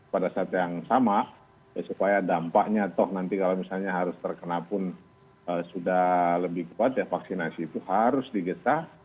pada saat yang sama supaya dampaknya toh nanti kalau misalnya harus terkena pun sudah lebih kuat ya vaksinasi itu harus digesah